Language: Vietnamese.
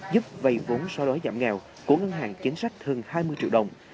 giúp vay vốn so đối giảm nghèo của ngân hàng chiến sách hơn hai mươi triệu đồng